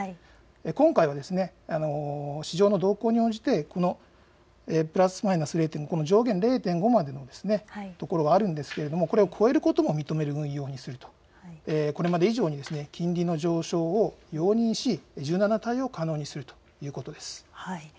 今回は市場の動向に応じてプラスマイナス上限０．５までのところがあるんですけれどもこれを超えることも認める運用にするこれまで以上に金利の上昇を容認し柔軟な対応を可能にするということです。